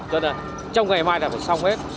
cho nên trong ngày mai là phải xong hết